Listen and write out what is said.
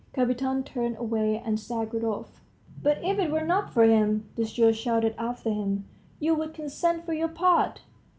Kapiton turned away and staggered off. "But, if it were not for him," the steward shouted after him, "you would consent for your part?"